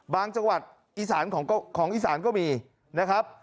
บางจังหวัดของอีสานก็มีนะครับ